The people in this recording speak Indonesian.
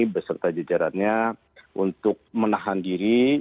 dan kota jajarannya untuk menahan diri